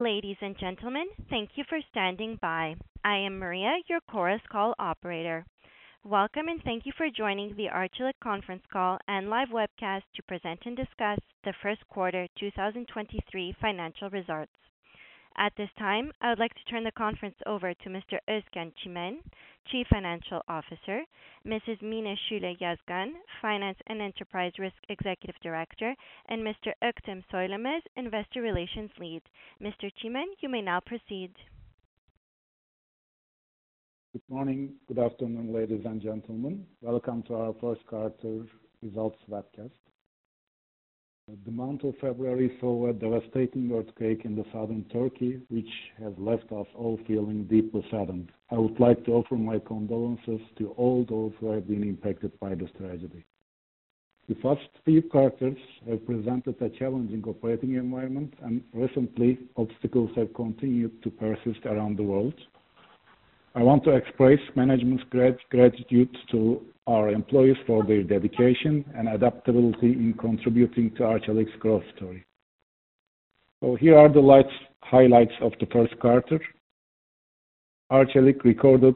Ladies and gentlemen, thank you for standing by. I am Maria, your Chorus Call operator. Welcome, and thank you for joining the Arçelik conference call and live webcast to present and discuss the first quarter 2023 financial results. At this time, I would like to turn the conference over to Mr. Ozkan Cimen, Chief Financial Officer, Mrs. Mine Sule Yazgan, Finance and Enterprise Risk Executive Director, and Mr. Oktim Soylemez, Investor Relations Lead. Mr. Cimen, you may now proceed. Good morning. Good afternoon, ladies and gentlemen. Welcome to our first quarter results webcast. The month of February saw a devastating earthquake in the southern Turkey, which has left us all feeling deeply saddened. I would like to offer my condolences to all those who have been impacted by this tragedy. The first few quarters have presented a challenging operating environment, and recently obstacles have continued to persist around the world. I want to express management's gratitude to our employees for their dedication and adaptability in contributing to Arçelik's growth story. Here are the highlights of the first quarter. Arçelik recorded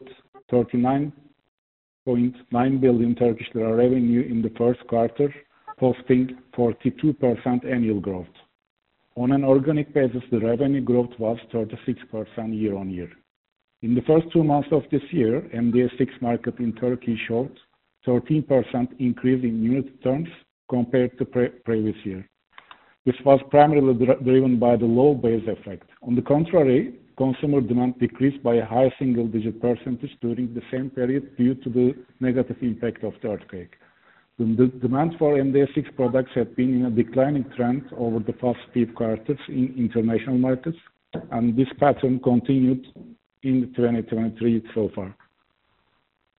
39.9 billion Turkish lira revenue in the first quarter, posting 42% annual growth. On an organic basis, the revenue growth was 36% year-on-year. In the first two months of this year, MDA6 market in Turkey showed 13% increase in unit terms compared to pre-previous year. This was primarily driven by the low base effect. On the contrary, consumer demand decreased by a higher single digit percentage during the same period due to the negative impact of the earthquake. The demand for MDA6 products had been in a declining trend over the past few quarters in international markets, and this pattern continued in 2023 so far.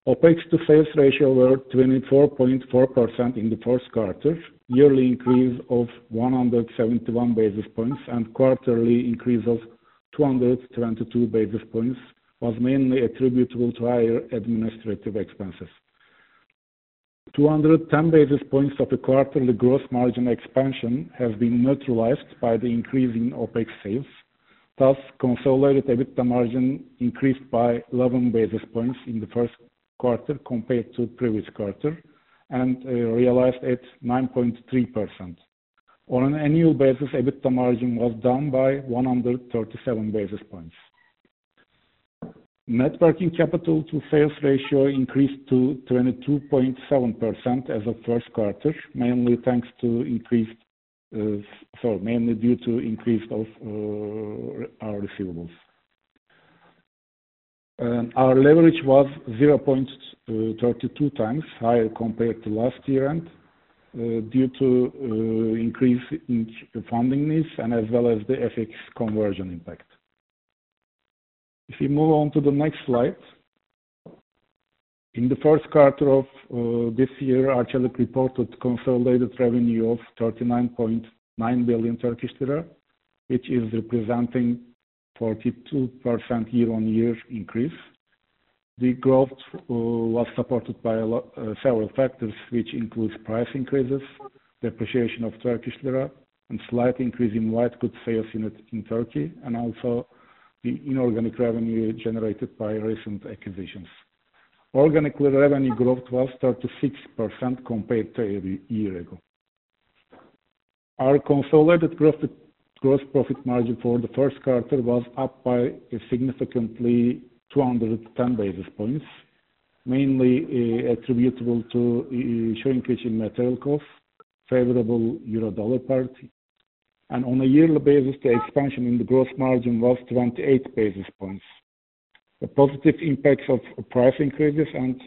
OPEX to sales ratio were 24.4% in the first quarter, yearly increase of 171 basis points, and quarterly increase of 222 basis points, was mainly attributable to higher administrative expenses. 210 basis points of the quarterly gross margin expansion has been neutralized by the increase in OPEX sales, thus consolidated EBITDA margin increased by 11 basis points in the first quarter compared to previous quarter and realized at 9.3%. On an annual basis, EBITDA margin was down by 137 basis points. Net working capital to sales ratio increased to 22.7% as of first quarter, mainly due to increase of our receivables. Our leverage was 0.32 times higher compared to last year end due to increase in funding needs and as well as the FX conversion impact. If you move on to the next slide. In the first quarter of this year, Arçelik reported consolidated revenue of 39.9 billion Turkish lira, which is representing a 42% year-on-year increase. The growth was supported by several factors, which includes price increases, depreciation of Turkish lira, and slight increase in white goods sales in Turkey, and also the inorganic revenue generated by recent acquisitions. Organic revenue growth was 36% compared to a year ago. Our consolidated gross profit margin for the first quarter was up by a significantly 210 basis points, mainly attributable to shrinking material costs, favorable euro-dollar parity. On a yearly basis, the expansion in the gross margin was 28 basis points. The positive impacts of price increases and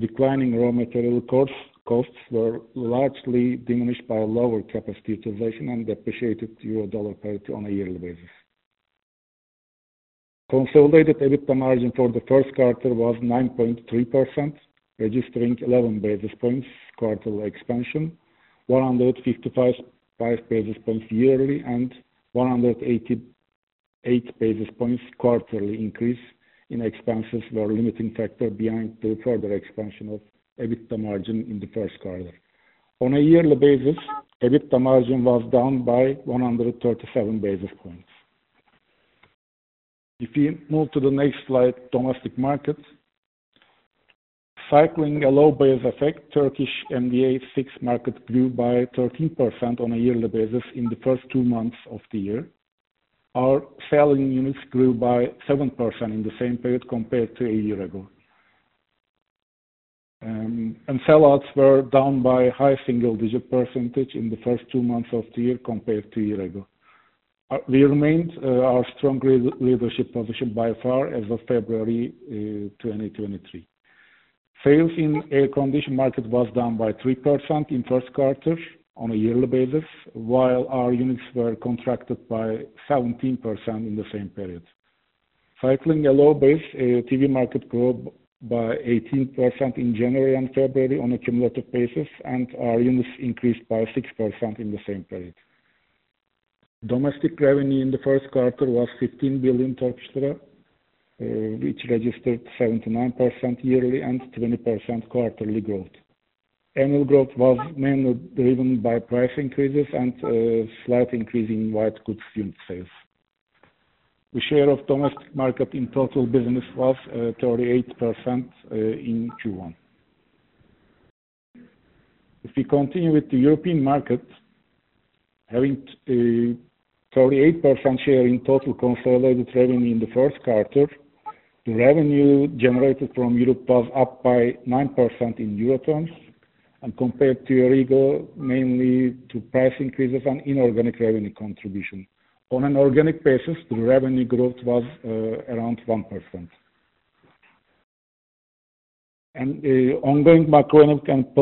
declining raw material costs were largely diminished by lower capacity utilization and appreciated euro-dollar parity on a yearly basis. Consolidated EBITDA margin for the first quarter was 9.3%, registering 11 basis points quarterly expansion, 155, 5 basis points yearly, and 188 basis points quarterly increase in expenses were limiting factor behind the further expansion of EBITDA margin in the first quarter. On a yearly basis, EBITDA margin was down by 137 basis points. If you move to the next slide, domestic markets. Cycling a low base effect, Turkish MDA6 market grew by 13% on a yearly basis in the first two months of the year. Our selling units grew by 7% in the same period compared to a year ago. Sellouts were down by high single digit % in the first two months of the year compared to a year ago. We remained our strong leadership position by far as of February 2023. Sales in air condition market was down by 3% in first quarter on a yearly basis, while our units were contracted by 17% in the same period. Cycling a low base, TV market grew by 18% in January and February on a cumulative basis, and our units increased by 6% in the same period. Domestic revenue in the first quarter was 15 billion Turkish lira, which registered 79% yearly and 20% quarterly growth. Annual growth was mainly driven by price increases and slight increase in white goods unit sales. The share of domestic market in total business was 38% in Q1. If we continue with the European market, having 38% share in total consolidated revenue in the first quarter. The revenue generated from Europe was up by 9% in Euro terms. Compared to a year ago, mainly to price increases and inorganic revenue contribution. On an organic basis, the revenue growth was around 1%. The ongoing macroeconomic and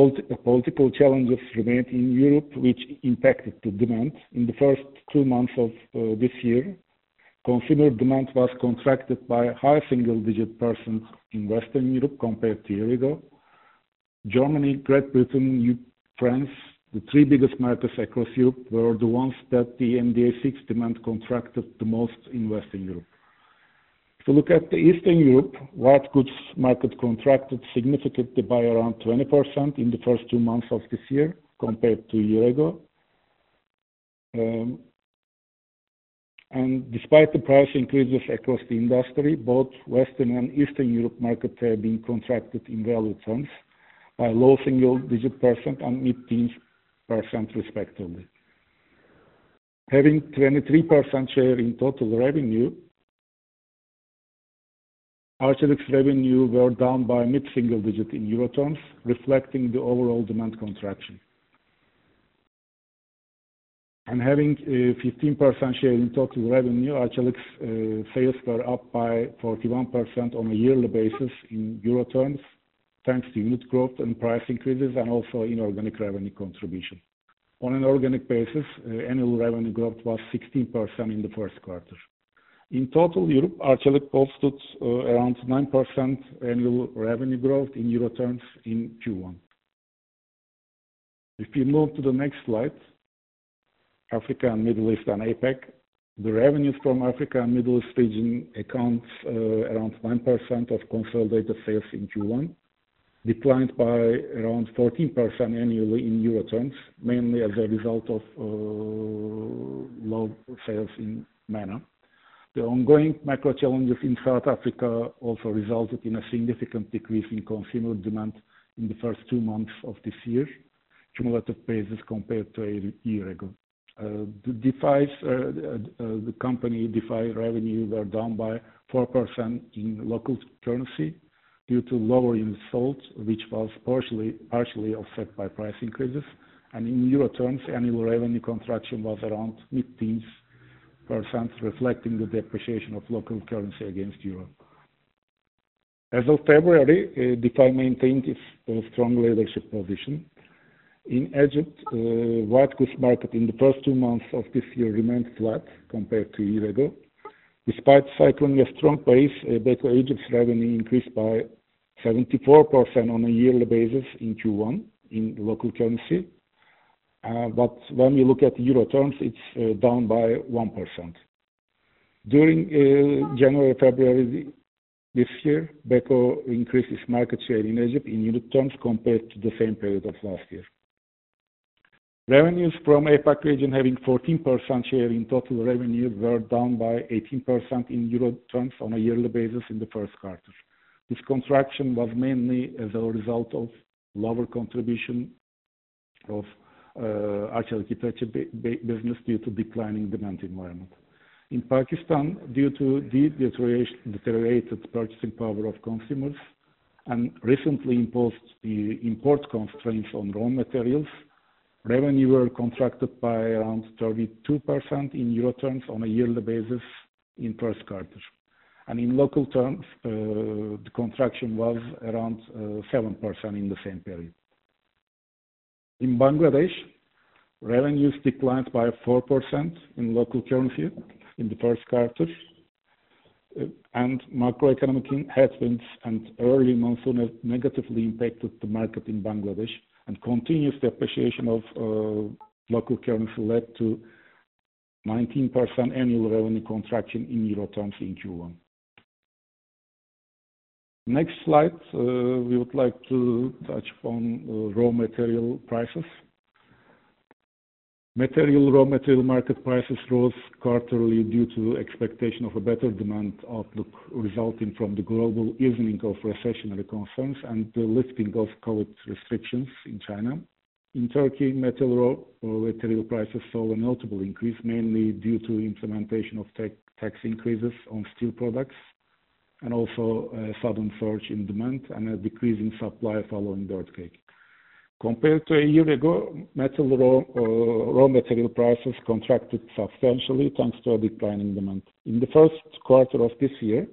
political challenges remained in Europe, which impacted the demand. In the first two months of this year, consumer demand was contracted by high single digit percent in Western Europe compared to a year ago. Germany, Great Britain, France, the three biggest markets across Europe, were the ones that the MDA6 demand contracted the most in Western Europe. If you look at the Eastern Europe, white goods market contracted significantly by around 20% in the first two months of this year compared to a year ago. Despite the price increases across the industry, both Western and Eastern Europe market have been contracted in value terms by low single-digit % and mid-teens % respectively. Having 23% share in total revenue, Arçelik's revenue were down by mid-single-digit in Euro terms, reflecting the overall demand contraction. Having a 15% share in total revenue, Arçelik's sales were up by 41% on a yearly basis in Euro terms, thanks to unit growth and price increases and also inorganic revenue contribution. On an organic basis, annual revenue growth was 16% in the first quarter. In total Europe, Arçelik posted around 9% annual revenue growth in Euro terms in Q1. If we move to the next slide, Africa and Middle East and APAC. The revenues from Africa and Middle East region accounts around 9% of consolidated sales in Q1, declined by around 14% annually in EUR terms, mainly as a result of low sales in MENA. The ongoing macro challenges in South Africa also resulted in a significant decrease in consumer demand in the first two months of this year, cumulative basis compared to a year ago. Defy's, the company Defy revenue were down by 4% in local currency due to lower unit sold, which was partially offset by price increases. In EUR terms, annual revenue contraction was around mid-teens %, reflecting the depreciation of local currency against EUR. As of February, Defy maintained its strong leadership position. In Egypt, white goods market in the first two months of this year remained flat compared to a year ago. Despite cycling a strong base, Beko Egypt's revenue increased by 74% on a yearly basis in Q1 in local currency. When we look at EUR terms, it's down by 1%. During January, February this year, Beko increased its market share in Egypt in unit terms compared to the same period of last year. Revenues from APAC region, having 14% share in total revenue, were down by 18% in EUR terms on a yearly basis in the first quarter. This contraction was mainly as a result of lower contribution of Arçelik kitchen bi-business due to declining demand environment. In Pakistan, due to deteriorated purchasing power of consumers and recently imposed the import constraints on raw materials, revenue were contracted by around 32% in EUR terms on a yearly basis in first quarter. In local terms, the contraction was around 7% in the same period. In Bangladesh, revenues declined by 4% in local currency in the first quarter. Macroeconomic headwinds and early monsoon has negatively impacted the market in Bangladesh. Continuous depreciation of local currency led to 19% annual revenue contraction in EUR terms in Q1. Next slide, we would like to touch on raw material prices. Raw material market prices rose quarterly due to expectation of a better demand outlook resulting from the global evening of recessionary concerns and the lifting of COVID restrictions in China. In Turkey, metal raw material prices saw a notable increase, mainly due to implementation of tax increases on steel products and also a sudden surge in demand and a decrease in supply following the earthquake. Compared to a year ago, metal raw material prices contracted substantially, thanks to a decline in demand. In the first quarter of this year,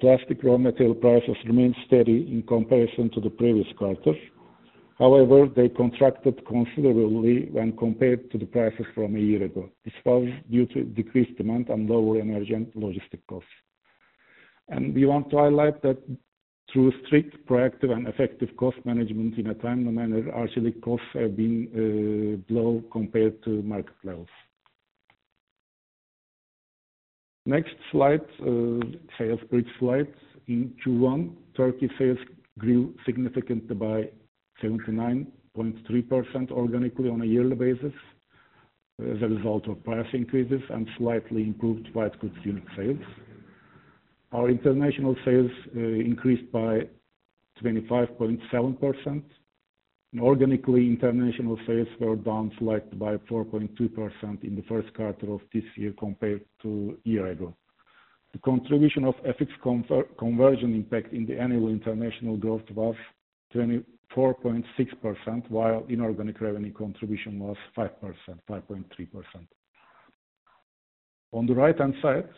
plastic raw material prices remained steady in comparison to the previous quarter. However, they contracted considerably when compared to the prices from a year ago. This was due to decreased demand and lower energy and logistic costs. We want to highlight that through strict, proactive and effective cost management in a timely manner, Arçelik costs have been low compared to market levels. Next slide, sales pitch slide. In Q1, Turkey sales grew significantly by 79.3% organically on a yearly basis as a result of price increases and slightly improved white goods unit sales. Our international sales increased by 25.7%. Organically, international sales were down select by 4.2% in Q1 of this year compared to a year ago. The contribution of FX conversion impact in the annual international growth was 24.6%, while inorganic revenue contribution was 5.3%. On the right-hand side,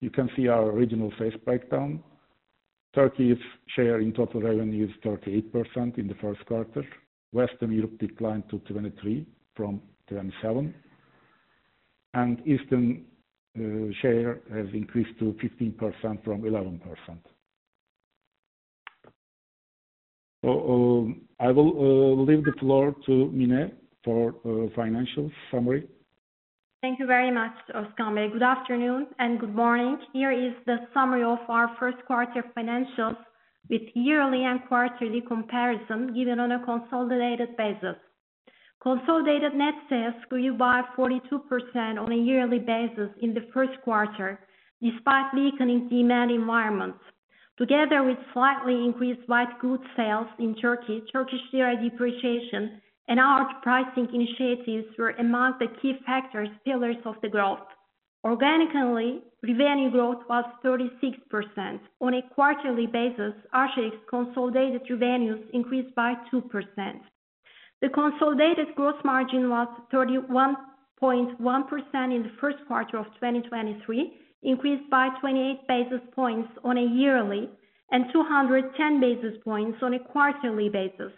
you can see our original sales breakdown. Turkey's share in total revenue is 38% in Q1. Western Europe declined to 23% from 27%, Eastern share has increased to 15% from 11%. I will leave the floor to Mine for financial summary. Thank you very much, Ozkan. Good afternoon and good morning. Here is the summary of our first quarter financials with yearly and quarterly comparison given on a consolidated basis. Consolidated net sales grew by 42% on a yearly basis in the first quarter, despite weakening demand environment. Together with slightly increased white goods sales in Turkey, Turkish lira depreciation and our pricing initiatives were among the key factors, pillars of the growth. Organically, revenue growth was 36%. On a quarterly basis, Arçelik's consolidated revenues increased by 2%. The consolidated gross margin was 31.1% in the first quarter of 2023, increased by 28 basis points on a yearly and 210 basis points on a quarterly basis.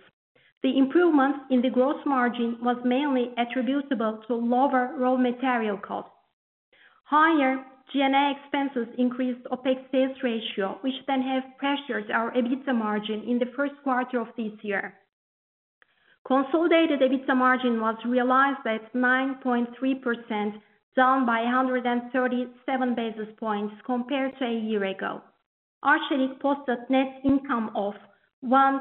The improvement in the gross margin was mainly attributable to lower raw material costs. Higher G&A expenses increased OpEx sales ratio, which have pressured our EBITDA margin in the first quarter of this year. Consolidated EBITDA margin was realized at 9.3%, down by 137 basis points compared to a year ago. Arçelik posted net income of TRY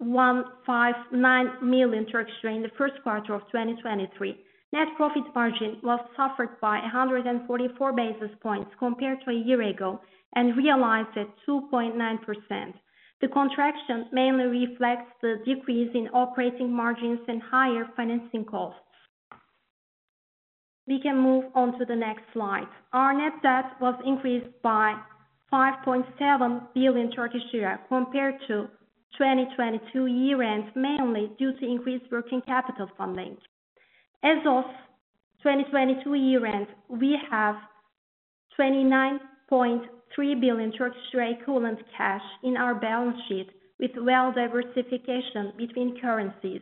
1.159 million in the first quarter of 2023. Net profit margin was suffered by 144 basis points compared to a year ago and realized at 2.9%. The contraction mainly reflects the decrease in operating margins and higher financing costs. We can move on to the next slide. Our net debt was increased by 5.7 billion Turkish lira compared to 2022 year-end, mainly due to increased working capital funding. As of 2022 year-end, we have 29.3 billion equivalent cash in our balance sheet with well-diversification between currencies.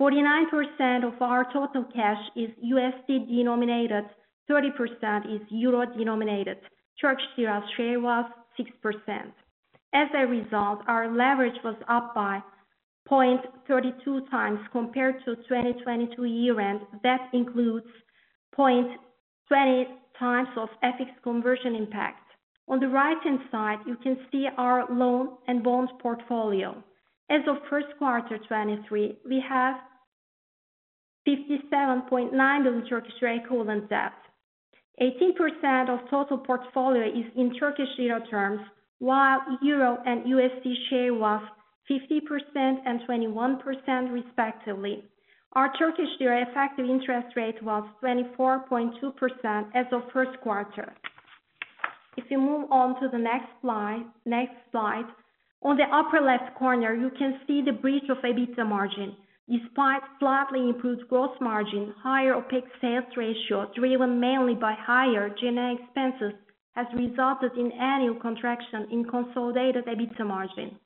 49% of our total cash is USD denominated, 30% is EUR denominated. Turkish lira share was 6%. As a result, our leverage was up by 0.32 times compared to 2022 year-end. That includes 0.20 times of FX conversion impact. On the right-hand side, you can see our loan and bond portfolio. As of first quarter 2023, we have 57.9 billion equivalent debt. 18% of total portfolio is in TRY terms, while EUR and USD share was 50% and 21% respectively. Our Turkish lira effective interest rate was 24.2% as of first quarter. If you move on to the next slide. On the upper left corner, you can see the bridge of EBITDA margin. Despite slightly improved gross margin, higher OpEx sales ratio, driven mainly by higher G&A expenses, has resulted in annual contraction in consolidated EBITDA margin.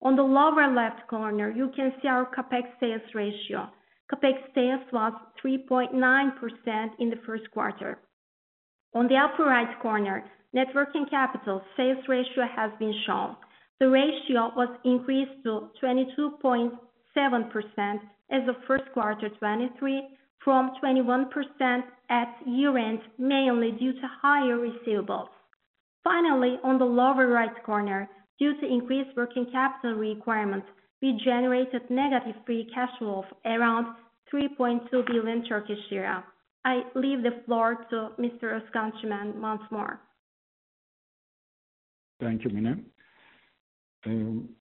On the lower left corner, you can see our CapEx sales ratio. CapEx sales was 3.9% in the first quarter. On the upper right corner, net working capital sales ratio has been shown. The ratio was increased to 22.7% as of first quarter 2023, from 21% at year-end, mainly due to higher receivables. Finally, on the lower right corner, due to increased working capital requirement, we generated negative free cash flow of around 3.2 billion Turkish lira. I leave the floor to Mr. Ozkan Cimen once more. Thank you, Mine.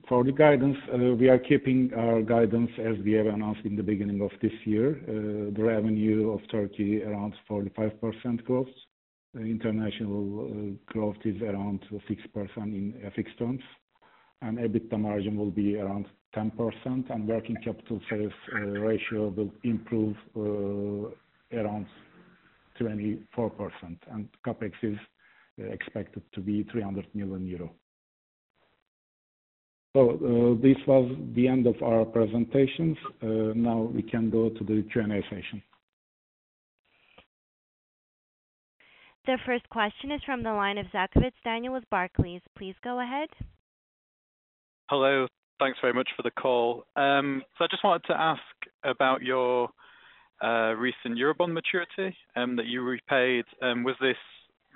For the guidance, we are keeping our guidance as we have announced in the beginning of this year. The revenue of Turkey around 45% growth. International growth is around 6% in FX terms, and EBITDA margin will be around 10%, and working capital sales ratio will improve around 24%, and CapEx is expected to be 300 million euro. This was the end of our presentations. Now we can go to the Q&A session. The first question is from the line of Zachovitz Daniel with Barclays. Please go ahead. Hello. Thanks very much for the call. I just wanted to ask about your recent Eurobond maturity that you repaid. Was this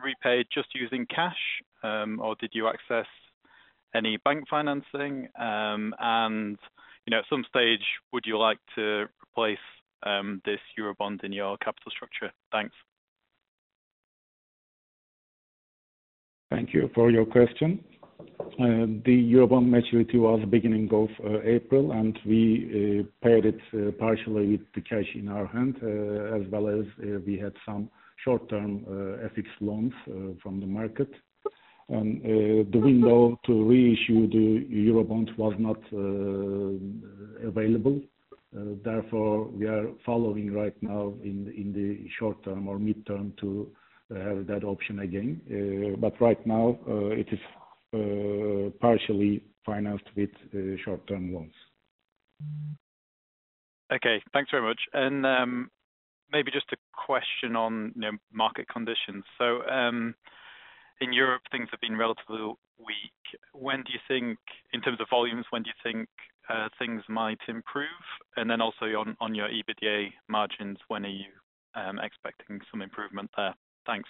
repaid just using cash, or did you access any bank financing? You know, at some stage, would you like to replace this Eurobond in your capital structure? Thanks. Thank you for your question. The Eurobond maturity was beginning of April, we paid it partially with the cash in our hand. As well as, we had some short-term FX loans from the market. The window to reissue the Eurobond was not available. Therefore, we are following right now in the short-term or mid-term to have that option again. Right now, it is partially financed with short-term loans. Okay. Thanks very much. Maybe just a question on, you know, market conditions. In Europe, things have been relatively weak. In terms of volumes, when do you think things might improve? Then also on your EBITDA margins, when are you expecting some improvement there? Thanks.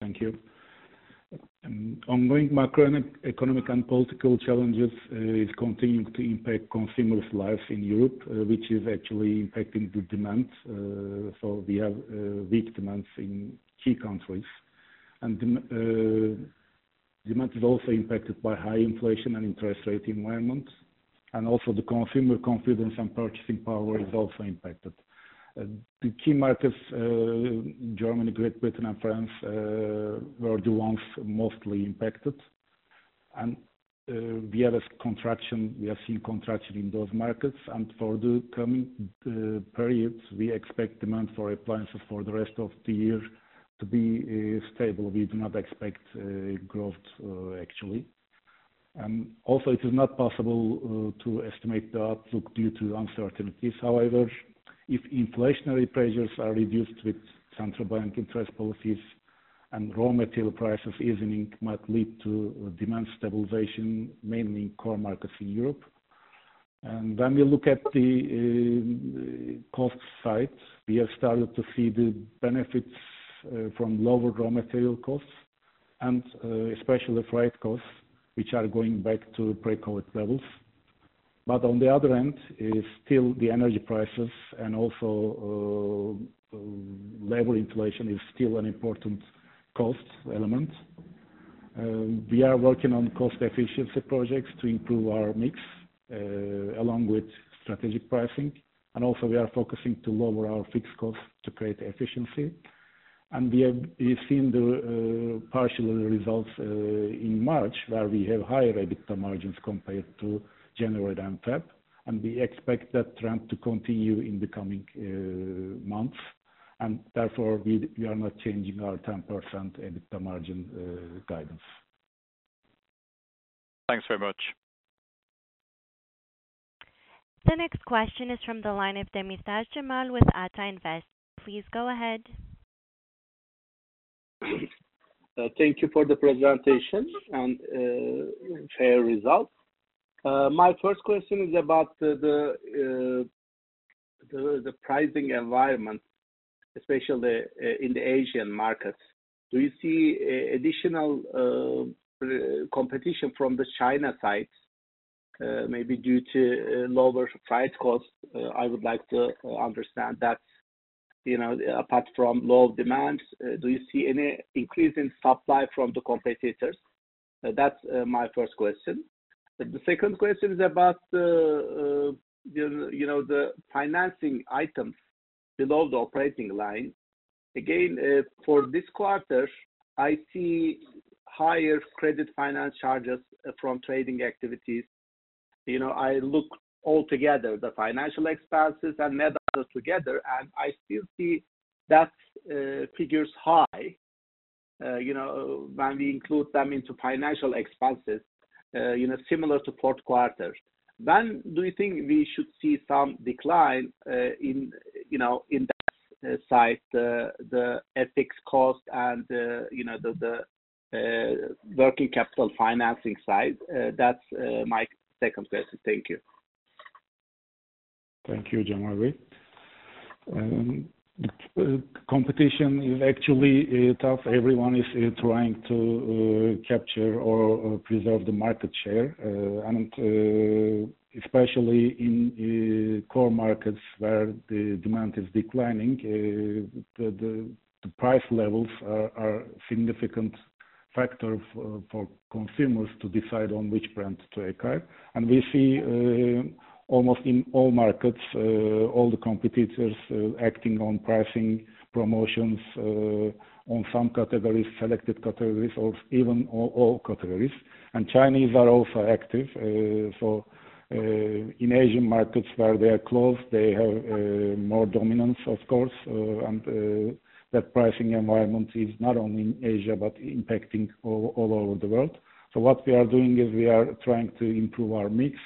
Thank you. Ongoing macroeconomic and political challenges is continuing to impact consumers' lives in Europe, which is actually impacting the demand. We have weak demands in key countries. Demand is also impacted by high inflation and interest rate environment, and also the consumer confidence and purchasing power is also impacted. The key markets, Germany, Great Britain, and France, were the ones mostly impacted. We had a contraction. We have seen contraction in those markets. For the coming periods, we expect demand for appliances for the rest of the year to be stable. We do not expect growth actually. Also it is not possible to estimate the outlook due to uncertainties. However, if inflationary pressures are reduced with central bank interest policies and raw material prices, easing might lead to demand stabilization, mainly in core markets in Europe. When we look at the cost side, we have started to see the benefits from lower raw material costs and especially freight costs, which are going back to pre-COVID levels. On the other end is still the energy prices and also labor inflation is still an important cost element. We are working on cost efficiency projects to improve our mix along with strategic pricing. Also we are focusing to lower our fixed costs to create efficiency. We've seen the partial results in March, where we have higher EBITDA margins compared to January and February. We expect that trend to continue in the coming months. Therefore we are not changing our 10% EBITDA margin guidance. Thanks very much. The next question is from the line of Cemal Demirtaş with Ata Invest. Please go ahead. Thank you for the presentation and fair results. My first question is about the pricing environment, especially in the Asian markets. Do you see additional competition from the China side, maybe due to lower price costs? I would like to understand that. You know, apart from low demand, do you see any increase in supply from the competitors? That's my first question. The second question is about the, you know, the financing items below the operating line. Again, for this quarter, I see higher credit finance charges from trading activities. You know, I look all together the financial expenses and net together, and I still see that figure's high, you know, when we include them into financial expenses, you know, similar to fourth quarter. Do you think we should see some decline in, you know, in that side, the FX cost and, you know, the working capital financing side? That's my second question. Thank you. Thank you, Cemal. Competition is actually tough. Everyone is trying to capture or preserve the market share. Especially in core markets where the demand is declining, the price levels are significant factor for consumers to decide on which brand to acquire. We see almost in all markets, all the competitors acting on pricing promotions, on some categories, selected categories or even all categories. Chinese are also active. In Asian markets where we are close, they have more dominance, of course. That pricing environment is not only in Asia, but impacting all over the world. What we are doing is we are trying to improve our mix,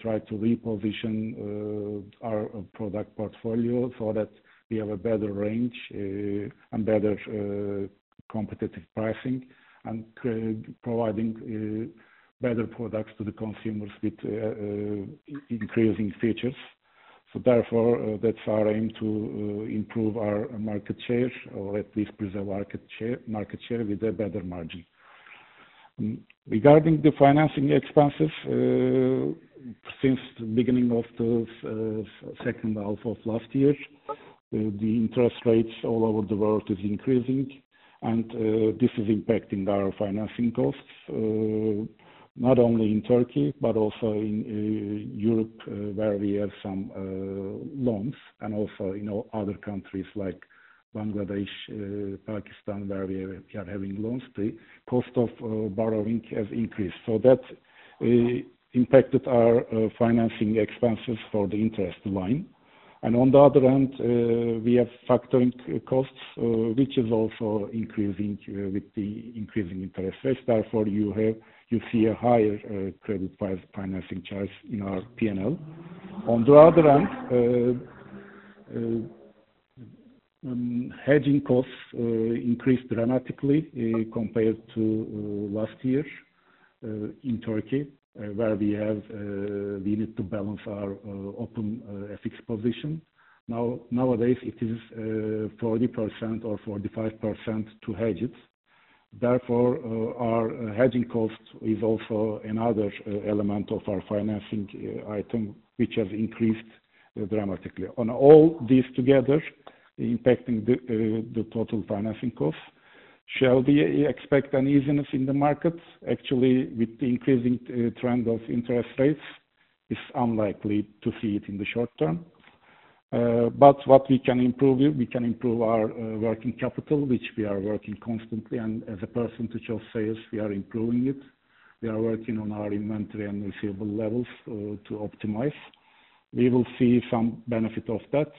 try to reposition our product portfolio so that we have a better range and better competitive pricing, and providing better products to the consumers with increasing features. Therefore, that's our aim to improve our market share or at least preserve market share with a better margin. Regarding the financing expenses, since the beginning of the second half of last year, the interest rates all over the world is increasing. This is impacting our financing costs, not only in Turkey, but also in Europe where we have some loans and also in other countries like Bangladesh, Pakistan, where we are having loans. The cost of borrowing has increased. That impacted our financing expenses for the interest line. On the other hand, we have factoring costs, which is also increasing with the increasing interest rates. Therefore, you see a higher credit financing charge in our P&L. On the other hand, hedging costs increased dramatically compared to last year in Turkey, where we need to balance our open FX position. Nowadays it is 40% or 45% to hedge it. Therefore, our hedging cost is also another element of our financing item, which has increased dramatically. On all these together impacting the total financing costs. Shall we expect uneasiness in the markets? Actually, with the increasing trend of interest rates, it's unlikely to see it in the short term. What we can improve, we can improve our working capital, which we are working constantly. As a percentage of sales, we are improving it. We are working on our inventory and receivable levels to optimize. We will see some benefit of that.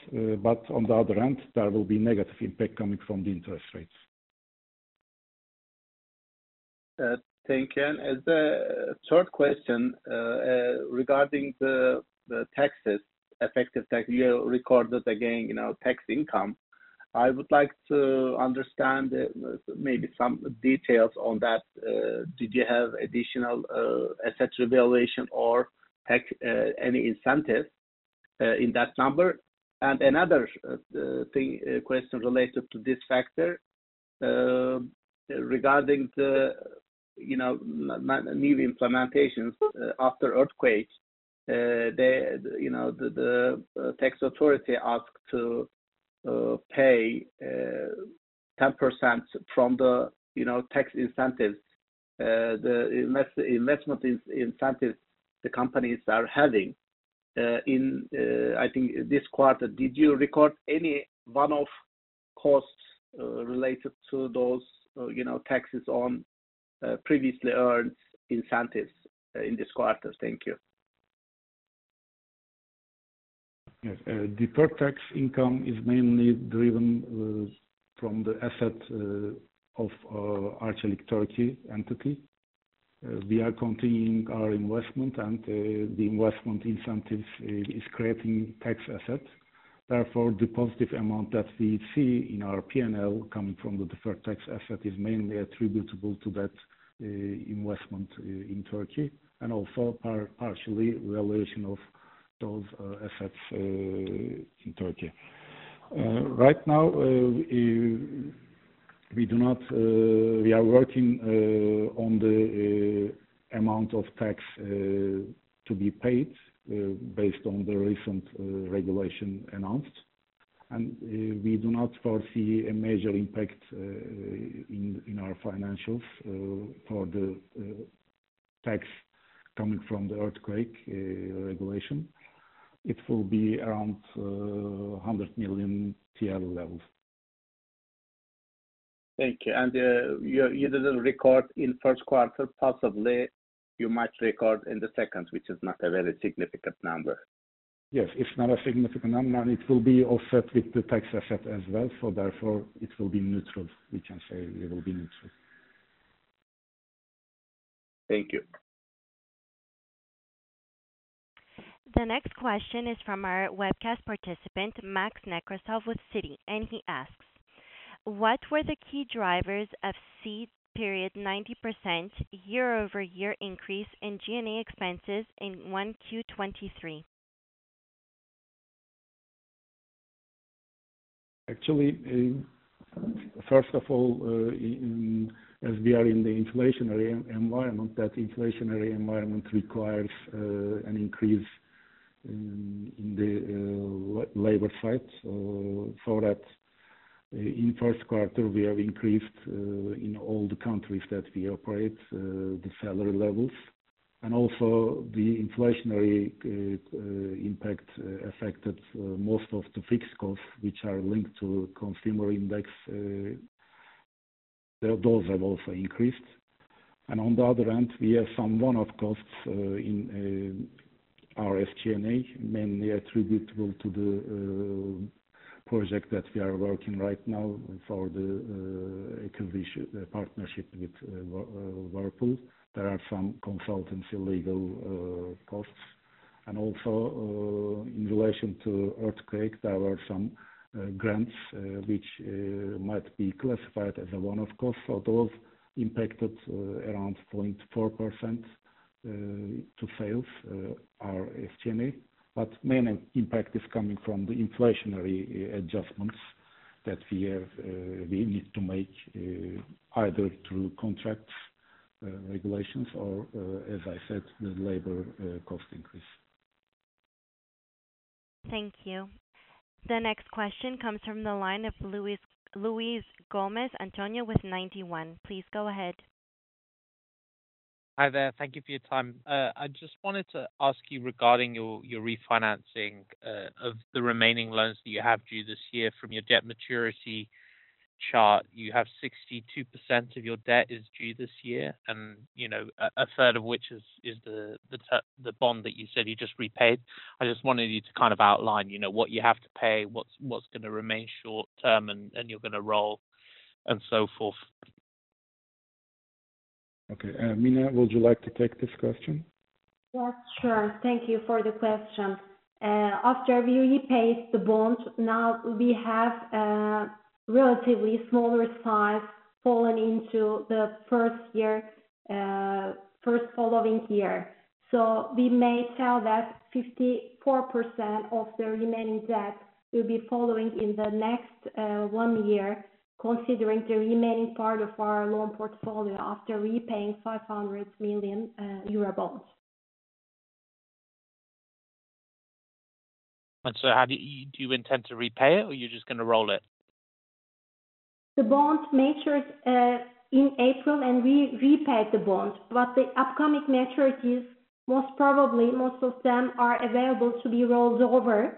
On the other hand, there will be negative impact coming from the interest rates. Thank you. As a third question, regarding the taxes, effective tax you recorded again, you know, tax income. I would like to understand maybe some details on that. Did you have additional asset revaluation or tax any incentive in that number? Another thing, question related to this factor, regarding the, you know, new implementations after earthquakes, they, you know, the tax authority asked to pay 10% from the, you know, tax incentives. The investment incentives the companies are having in, I think this quarter. Did you record any one-off costs related to those, you know, taxes on previously earned incentives in this quarter? Thank you. Yes. deferred tax income is mainly driven from the asset of Arçelik Turkey entity. We are continuing our investment and the investment incentives is creating tax asset. Therefore, the positive amount that we see in our P&L coming from the deferred tax asset is mainly attributable to that investment in Turkey and also partially revaluation of those assets in Turkey. Right now, we do not we are working on the amount of tax to be paid based on the recent regulation announced. We do not foresee a major impact in our financials for the tax coming from the earthquake regulation. It will be around 100 million TRY levels. Thank you. You didn't record in first quarter. Possibly you might record in the second, which is not a very significant number. Yes, it's not a significant number, and it will be offset with the tax asset as well. Therefore it will be neutral. We can say it will be neutral. Thank you. The next question is from our webcast participant, Maxim Nekrasov with Citi, he asks: What were the key drivers of base period 90% year-over-year increase in G&A expenses in 1Q 2023? Actually, first of all, in, as we are in the inflationary environment, that inflationary environment requires an increase in the labor side. In first quarter, we have increased in all the countries that we operate, the salary levels. The inflationary impact affected most of the fixed costs which are linked to consumer index, those have also increased. On the other hand, we have some one-off costs in our SG&A, mainly attributable to the Project that we are working right now for the acquisition, the partnership with Whirlpool. There are some consultants illegal costs. In relation to earthquake, there were some grants which might be classified as a one-off cost. Those impacted around 0.4% to sales, our FX. Main impact is coming from the inflationary adjustments that we have, we need to make, either through contracts, regulations or, as I said, the labor, cost increase. Thank you. The next question comes from the line of Luis, Antonio Luiz Gomes with Ninety One. Please go ahead. Hi there. Thank you for your time. I just wanted to ask you regarding your refinancing, of the remaining loans that you have due this year. From your debt maturity chart, you have 62% of your debt is due this year, you know, a third of which is the bond that you said you just repaid. I just wanted you to kind of outline, you know, what you have to pay, what's gonna remain short-term and you're gonna roll and so forth. Okay. Mina, would you like to take this question? Yeah, sure. Thank you for the question. After we repaid the bond, now we have a relatively smaller size fallen into the first year, first following year. We may tell that 54% of the remaining debt will be following in the next one year, considering the remaining part of our loan portfolio after repaying 500 million Eurobonds. Do you intend to repay it or you're just gonna roll it? The bond matures, in April, and we repaid the bond. The upcoming maturities, most probably, most of them are available to be rolled over.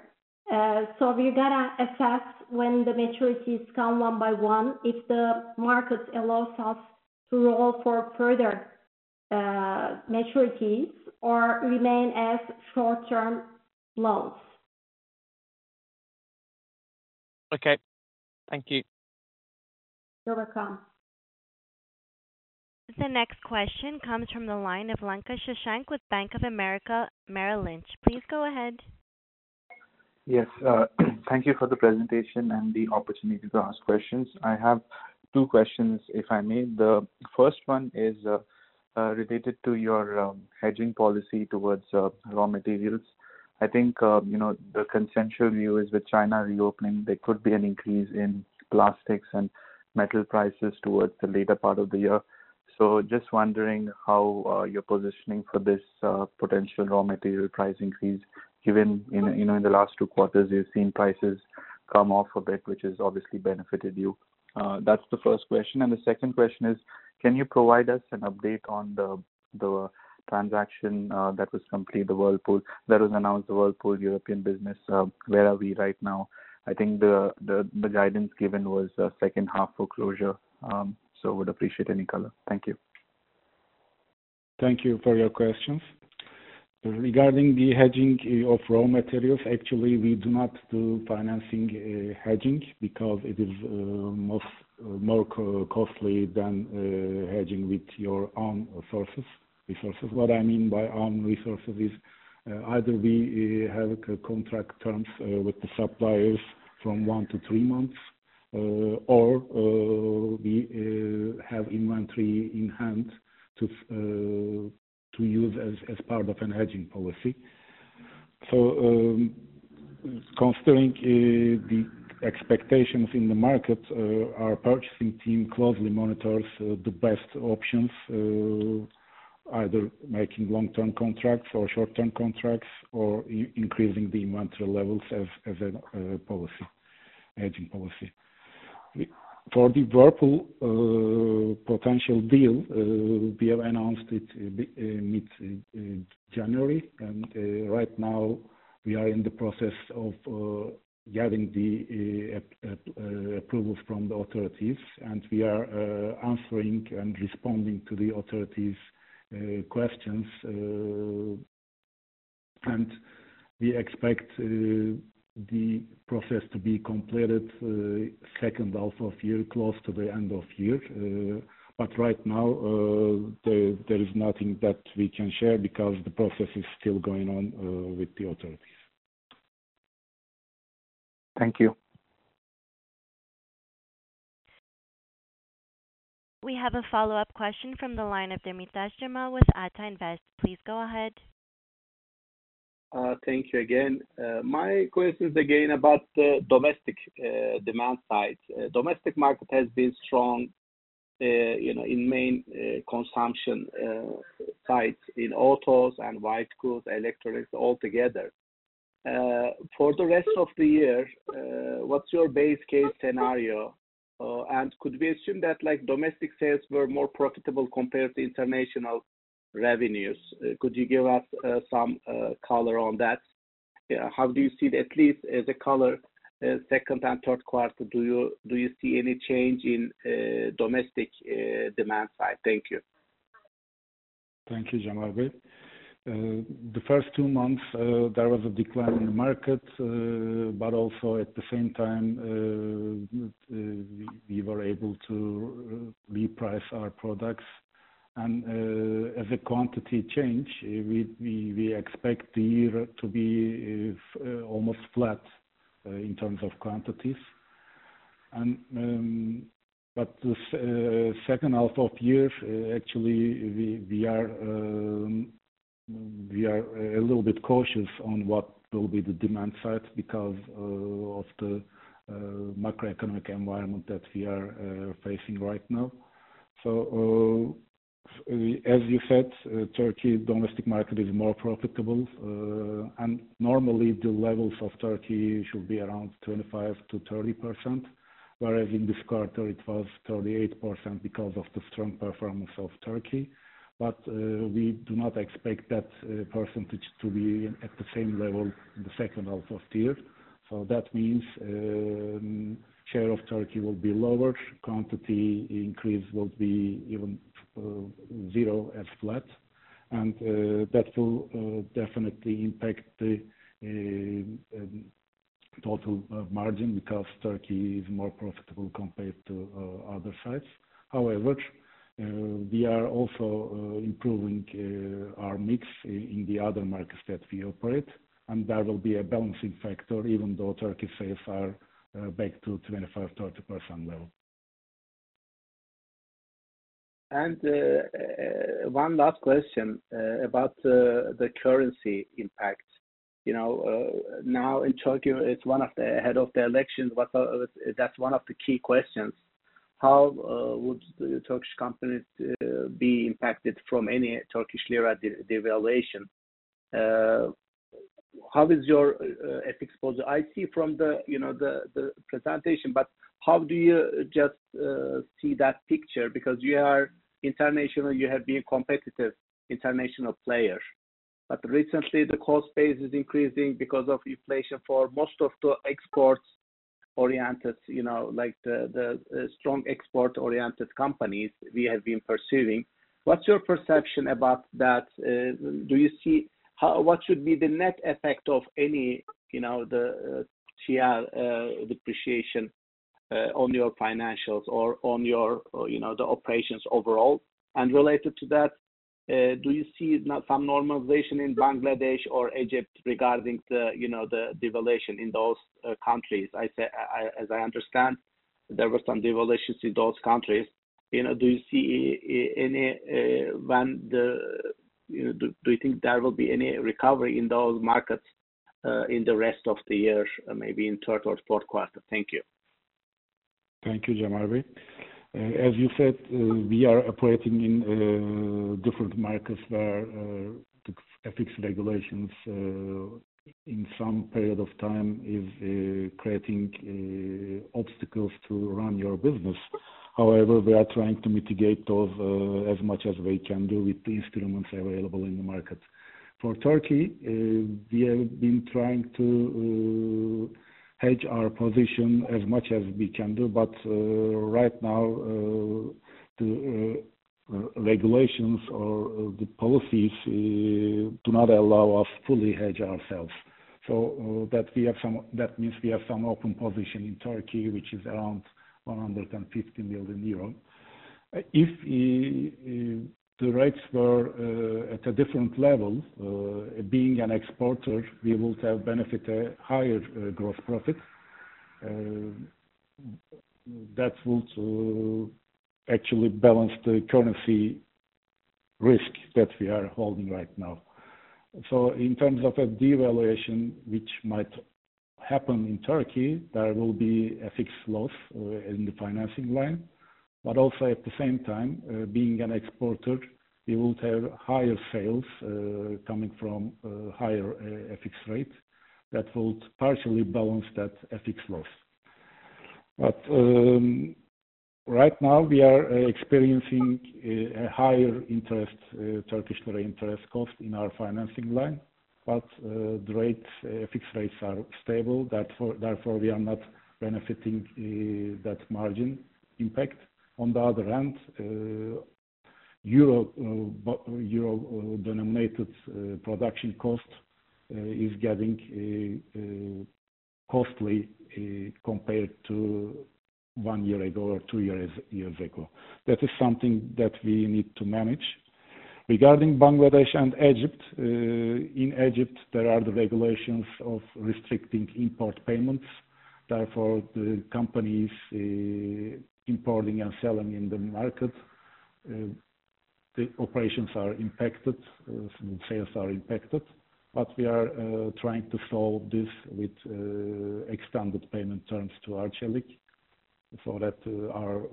We're gonna assess when the maturities come one by one, if the market allows us to roll for further, maturities or remain as short-term loans. Okay. Thank you. You're welcome. The next question comes from the line of Sashank Lanka with Bank of America, Merrill Lynch. Please go ahead. Yes. Thank you for the presentation and the opportunity to ask questions. I have two questions, if I may. The first one is related to your hedging policy towards raw materials. I think, you know, the consensual view is with China reopening, there could be an increase in plastics and metal prices towards the later part of the year. Just wondering how you're positioning for this potential raw material price increase given in, you know, in the last two quarters, you've seen prices come off a bit, which has obviously benefited you. That's the first question. The second question is, can you provide us an update on the transaction that was completed, the Whirlpool that was announced, the Whirlpool European business? Where are we right now? I think the guidance given was second half for closure. Would appreciate any color. Thank you. Thank you for your questions. Regarding the hedging of raw materials, actually, we do not do financing hedging because it is more costly than hedging with your own resources. What I mean by own resources is either we have contract terms with the suppliers from 1-3 months, or we have inventory in hand to use as part of an hedging policy. Considering the expectations in the market, our purchasing team closely monitors the best options, either making long-term contracts or short-term contracts or increasing the inventory levels as a policy, hedging policy. For the Whirlpool potential deal, we have announced it be mid-January, and right now we are in the process of getting the approval from the authorities, and we are answering and responding to the authorities' questions, and we expect the process to be completed second half of year, close to the end of year. Right now, there is nothing that we can share because the process is still going on with the authorities. Thank you. We have a follow-up question from the line of Cemal Demirtaş with Ata Invest. Please go ahead. Thank you again. My question is again about the domestic demand side. Domestic market has been strong, you know, in main consumption sides in autos and white goods, electronics all together. For the rest of the year, what's your base case scenario? Could we assume that like domestic sales were more profitable compared to international revenues? Could you give us some color on that? Yeah, how do you see the, at least as a color, second and third quarter, do you see any change in domestic demand side? Thank you. Thank you, Jamarby. The first two months, there was a decline in the market. Also at the same time, we were able to re-price our products. As a quantity change, we expect the year to be almost flat in terms of quantities. The second half of year, actually we are a little bit cautious on what will be the demand side because of the macroeconomic environment that we are facing right now. As you said, Turkey domestic market is more profitable. Normally the levels of Turkey should be around 25%-30%, whereas in this quarter it was 38% because of the strong performance of Turkey. We do not expect that percentage to be at the same level in the second half of the year. That means share of Turkey will be lower. Quantity increase will be even 0 as flat. That will definitely impact the total margin because Turkey is more profitable compared to other sites. However, we are also improving our mix in the other markets that we operate, and there will be a balancing factor even though Turkey sales are back to 25-30% level. One last question about the currency impact. You know, now in Turkey, it's one of the head of the elections, that's one of the key questions. How would the Turkish companies be impacted from any Turkish lira devaluation? How is your FX exposure? I see from the, you know, the presentation, how do you just see that picture? Because you are international, you have been competitive international player. Recently the cost base is increasing because of inflation for most of the exports oriented, you know, like the strong export-oriented companies we have been pursuing. What's your perception about that? What should be the net effect of any, you know, the TR depreciation on your financials or on your, you know, the operations overall? Related to that, do you see some normalization in Bangladesh or Egypt regarding the, you know, the devaluation in those countries? As I understand, there were some devaluations in those countries. You know, do you see any, You know, do you think there will be any recovery in those markets in the rest of the year, maybe in third or fourth quarter? Thank you. Thank you, Jamarby. As you said, we are operating in different markets where the FX regulations in some period of time is creating obstacles to run your business. However, we are trying to mitigate those as much as we can do with the instruments available in the market. For Turkey, we have been trying to hedge our position as much as we can do, but right now, the regulations or the policies do not allow us fully hedge ourselves. That means we have some open position in Turkey, which is around 150 million euro. If the rates were at a different level, being an exporter, we would have benefited higher gross profit. That would actually balance the currency risk that we are holding right now. In terms of a devaluation which might happen in Turkey, there will be an FX loss in the financing line. Also at the same time, being an exporter, we would have higher sales coming from higher FX rate that would partially balance that FX loss. Right now we are experiencing a higher interest, Turkish interest cost in our financing line, but the rates, FX rates are stable. Therefore, we are not benefiting that margin impact. On the other hand, Euro-denominated production cost is getting costly compared to one year ago or two years ago. That is something that we need to manage. Regarding Bangladesh and Egypt, in Egypt, there are the regulations of restricting import payments. Therefore, the companies, importing and selling in the market, the operations are impacted, sales are impacted. We are trying to solve this with extended payment terms to Arçelik so that our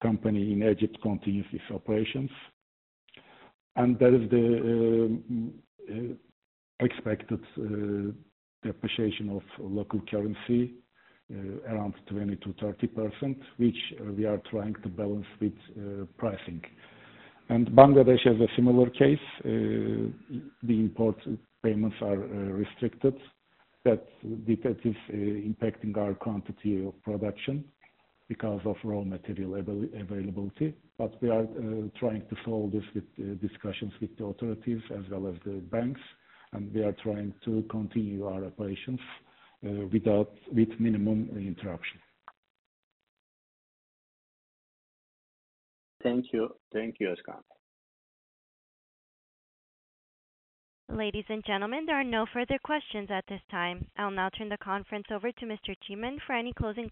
company in Egypt continues its operations. There is the expected depreciation of local currency around 20%-30%, which we are trying to balance with pricing. Bangladesh has a similar case. The import payments are restricted. That is impacting our quantity of production because of raw material availability. We are trying to solve this with discussions with the authorities as well as the banks, and we are trying to continue our operations with minimum interruption. Thank you. Thank you, Ozkan. Ladies and gentlemen, there are no further questions at this time. I'll now turn the conference over to Mr. Cimen for any closing remarks.